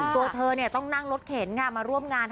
ตัวเธอเนี่ยต้องนั่งรถเข็นมาร่วมงาน